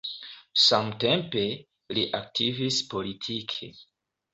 Samtempe, li aktivis politike.